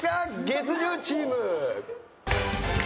月１０チーム。